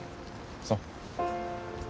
そう。